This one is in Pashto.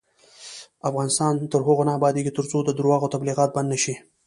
افغانستان تر هغو نه ابادیږي، ترڅو د درواغو تبلیغات بند نشي.